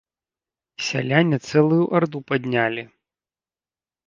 Сяляне цэлую арду паднялі.